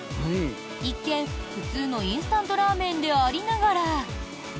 一見普通のインスタントラーメンでありながら。